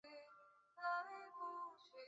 小学则位于爱丁堡皇家植物园北侧。